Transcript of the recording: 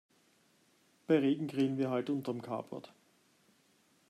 Bei Regen grillen wir halt unterm Carport.